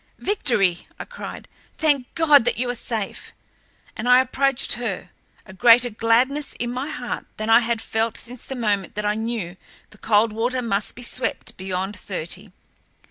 "Victory!" I cried. "Thank God that you are safe!" And I approached her, a greater gladness in my heart than I had felt since the moment that I knew the Coldwater must be swept beyond thirty.